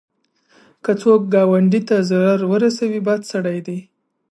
که څوک ګاونډي ته ضرر ورسوي، بد سړی دی